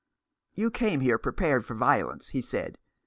•" You came here prepared for violence," he said.